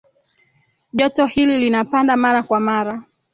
joto hili linapanda mara kwa mara